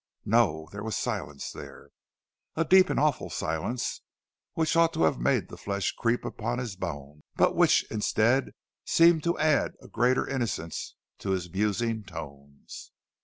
No, there was silence there, a deep and awful silence, which ought to have made the flesh creep upon his bones, but which, instead, seemed to add a greater innocence to his musing tones.